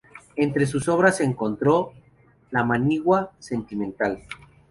Entre sus obras se encontró "La manigua sentimental".